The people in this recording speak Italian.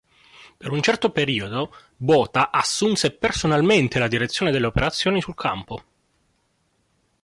Per un certo periodo Botha assunse personalmente la direzione delle operazioni sul campo.